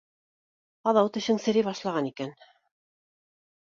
Аҙау тешең серей башлаған икән.